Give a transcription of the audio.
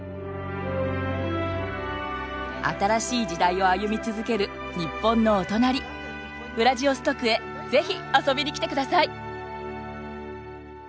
新しい時代を歩み続ける日本のお隣ウラジオストクへぜひ遊びに来てください。